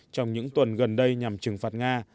trong những tuần gần đây nhằm trừng phạt nga